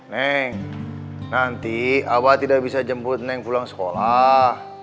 neng nanti awal tidak bisa jemput neng pulang sekolah